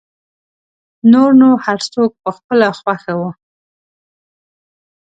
نور نو هر څوک په خپله خوښه و.